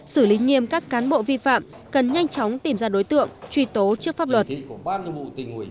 xử lý nghiêm các cán bộ vi phạm cần nhanh chóng tìm ra đối tượng truy tố trước pháp luật